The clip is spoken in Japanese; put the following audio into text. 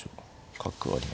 角ありますよね。